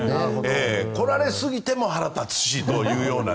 来られすぎても腹が立つしというような。